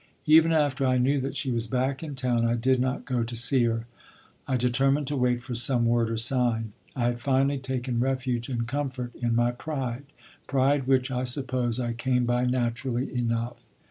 Even after I knew that she was back in town, I did not go to see her. I determined to wait for some word or sign. I had finally taken refuge and comfort in my pride, pride which, I suppose, I came by naturally enough.